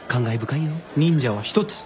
忍者は一つ。